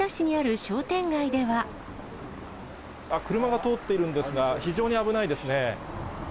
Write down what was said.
あっ、車が通っているんですが、非常に危ないですね。